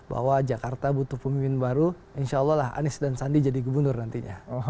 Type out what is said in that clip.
bahwa jakarta butuh pemimpin baru insya allah lah anies dan sandi jadi gubernur nantinya